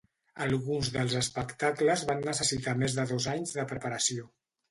Alguns dels espectacles van necessitar més de dos anys de preparació.